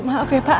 maaf ya pak